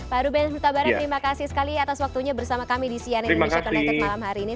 pak ruben sutabara terima kasih sekali atas waktunya bersama kami di cnn indonesia connected malam hari ini